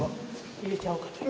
入れちゃおうかという。